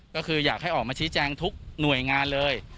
ก็คืออยากให้ออกมาชี้แจงทุกหน่วยงานเลย